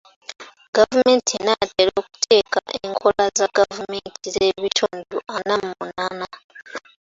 Gavumenti enaatera okuteeka enkola za gavumenti z'ebitundu ana mu munaana.